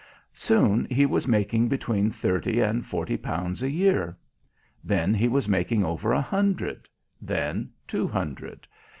Soon he was making between thirty and forty pounds a year. Then he was making over a hundred. Then two hundred.